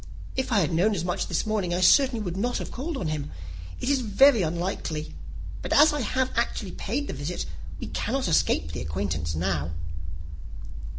If I had known as much this morning, I certainly would not have called on him. It is very unlucky; but as I have actually paid the visit, we cannot escape the acquaintance now."